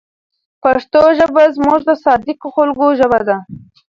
پښتو ژبه زموږ د صادقو خلکو ژبه ده.